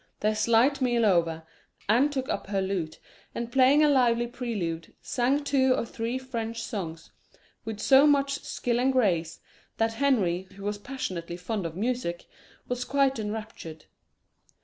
Their slight meal over, Anne took up her lute, and playing a lively prelude, sang two or three French songs with so much skill and grace, that Henry, who was passionately fond of music, was quite enraptured.